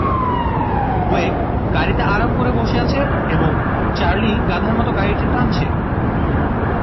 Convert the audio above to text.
ওয়েক গাড়িতে আরাম করে বসে আছে এবং চার্লি গাধার মত গাড়িটি ঠানছে।